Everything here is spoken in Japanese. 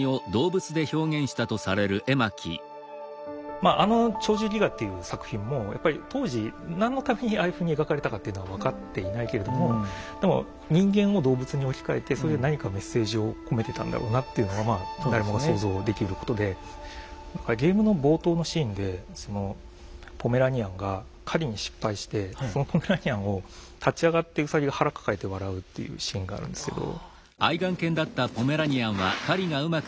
まああの「鳥獣戯画」っていう作品もやっぱり当時何のためにああいうふうに描かれたかっていうのは分かっていないけれどもでも人間を動物に置き換えてそれで何かメッセージを込めてたんだろうなっていうのはまあ誰もが想像できることでゲームの冒頭のシーンでそのポメラニアンが狩りに失敗してそのポメラニアンを立ち上がってウサギが腹抱えて笑うっていうシーンがあるんですけど。